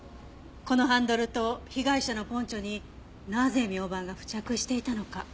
このハンドルと被害者のポンチョになぜみょうばんが付着していたのか？